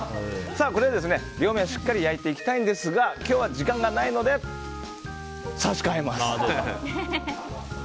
これを両面しっかり焼いていきたいんですが今日は時間がないので差し替えます。